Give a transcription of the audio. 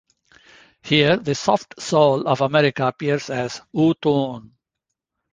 Here, the "soft soul" of America appears as Oothoon.